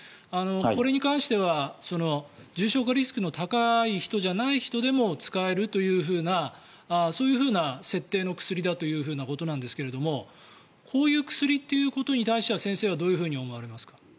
これに関しては重症化リスクの高い人じゃなくても使えるというふうなそういうふうな設定の薬だということなんですがこういう薬ということに対しては先生はどういうふうに思われますか？